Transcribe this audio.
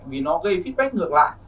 vì nó gây feedback ngược lại